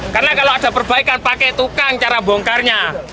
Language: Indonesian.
karena kalau ada perbaikan pakai tukang cara bongkarnya